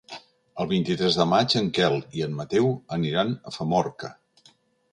El vint-i-tres de maig en Quel i en Mateu aniran a Famorca.